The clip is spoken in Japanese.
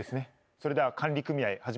それでは管理組合始めたいと思います。